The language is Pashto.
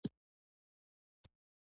د هرات اختیار الدین کلا مشهوره ده